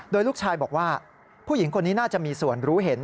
โดยลูกชายบอกว่าผู้หญิงคนนี้น่าจะมีส่วนรู้เห็น